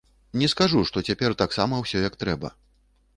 Не скажу, што цяпер таксама ўсё як трэба.